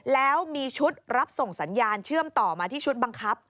แล้วมีชุดรับส่งสัญญาณเชื่อมต่อมาที่ชุดบังคับ